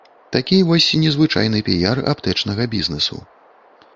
Такі вось незвычайны піяр аптэчнага бізнэсу.